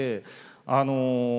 あの。